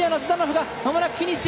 がまもなくフィニッシュ。